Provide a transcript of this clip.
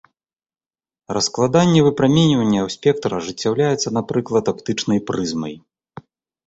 Раскладанне выпраменьвання ў спектр ажыццяўляецца, напрыклад, аптычнай прызмай.